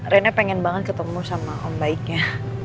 rena pengen banget ketemu sama om baiknya